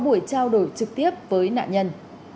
buổi trao đổi trực tiếp với nạn nhân